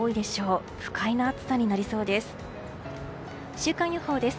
週間予報です。